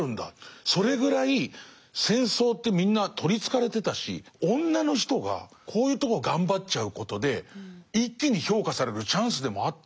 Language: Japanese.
それぐらい戦争ってみんな取りつかれてたし女の人がこういうとこ頑張っちゃうことで一気に評価されるチャンスでもあったんだとかは。